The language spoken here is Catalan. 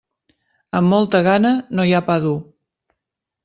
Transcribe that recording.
Amb molta gana no hi ha pa dur.